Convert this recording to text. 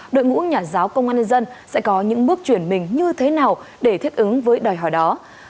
đội ngũ nhà giáo công an nhân dân sẽ có những bước chuyển mình như thế nào để thích ứng với đòi hỏi đó